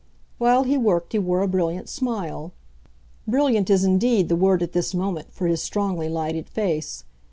While he worked he wore a brilliant smile. Brilliant is indeed the word at this moment for his strongly lighted face.